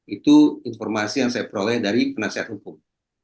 itu informasi yang saya peroleh dari penasihat hukum